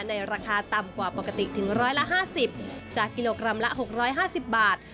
ราคาต่ำกว่าปกติถึง๑๕๐จากกิโลกรัมละ๖๕๐บาท